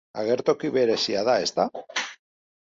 Agertoki berezia da, ezta?